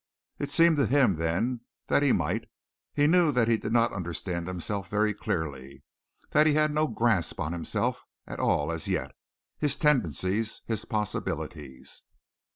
It seemed to him then that he might. He knew that he did not understand himself very clearly; that he had no grasp on himself at all as yet his tendencies, his possibilities.